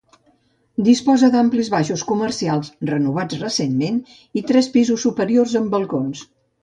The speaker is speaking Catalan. Disposa d'amplis baixos comercials, renovats recentment, i tres pisos superiors amb balcons.